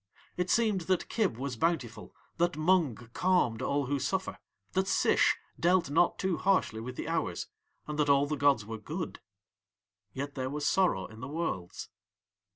It seemed that Kib was bountiful, that Mung calmed all who suffer, that Sish dealt not too harshly with the hours, and that all the gods were good; yet there was sorrow in the Worlds.